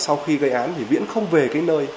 sau khi gây án thì viễn không về cái nơi